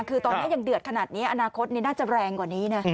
คือตอนนี้ยังเดือดขนาดนี้อนาคตน่าจะแรงกว่านี้นะ